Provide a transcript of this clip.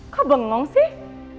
kau bengong sih